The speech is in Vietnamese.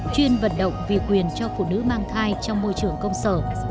chuyên vận động vì quyền cho phụ nữ mang thai trong môi trường công sở